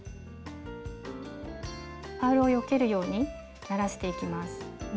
パールをよけるようにならしていきます。